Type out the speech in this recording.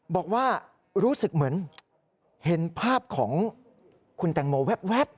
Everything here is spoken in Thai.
บอกว่ารู้สึกเหมือนเห็นภาพของคุณแตงโมแว๊บ